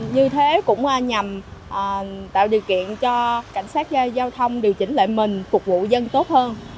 như thế cũng nhằm tạo điều kiện cho cảnh sát giao thông điều chỉnh lại mình phục vụ dân tốt hơn